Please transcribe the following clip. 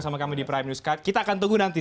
sama kami di prime news kita akan tunggu nanti